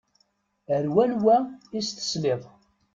Ar wanwa i s-tesliḍ?